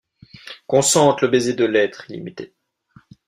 Qu’on sente le baiser de l’être illimité!